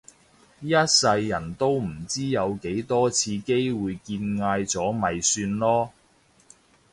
一世人都唔知有幾多次機會見嗌咗咪算囉